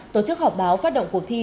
tổ chức họp báo phát động cuộc thi